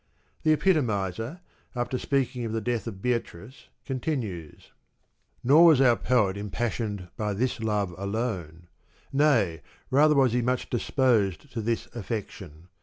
The epitomiser, after speaking of the death of Beatrice, continues : "Nor was our poet impassioned by this love alone ; nay, rather was he much disposed to this affection.